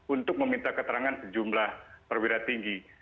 untuk meminta keterangan sejumlah perwira tinggi